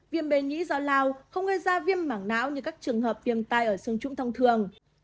viêm bề nhĩ do lao không gây ra viêm mảng não như các trường hợp tiêm tai ở xương trũng thông thường